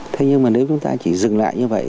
thế nhưng mà nếu chúng ta chỉ dừng lại như vậy